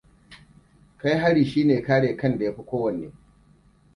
Kai hari shine kare kan da yafi kowanne.